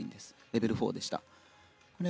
レベル４でした。